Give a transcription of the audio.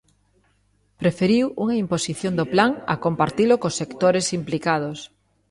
Preferiu unha imposición do plan a compartilo cos sectores implicados.